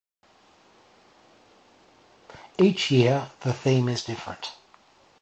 Each year, the theme is different.